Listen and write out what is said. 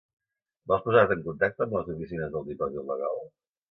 Vols posar-te en contacte amb les oficines del Dipòsit Legal?